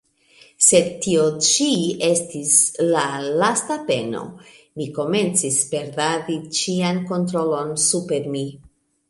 Sed tio ĉi estis la lasta peno; mi komencis perdadi ĉian kontrolon super mi.